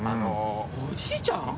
おじいちゃん？